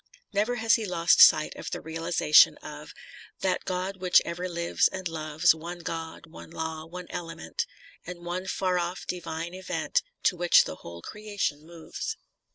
t Never has he lost sight of the realisation of That God, which ever lives and loves, One God, one law, one element And one far off divine event, To which the whole creation moves.